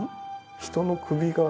人の首が。